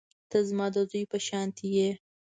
ته زما د زوى په شانتې يې.